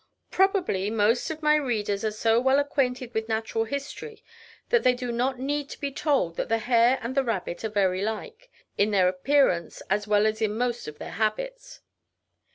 Probably most of my readers are so well acquainted with natural history, that they do not need to be told that the hare and the rabbit are very like, in their appearance, as well as in most of their habits.